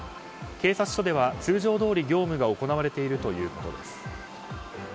警察署では通常どおり業務が行われているということです。